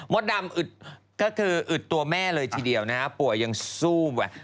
มดดำก็คืออึดตัวแม่เลยทีเดียวนะครับป่วยยังซู้มว่ะ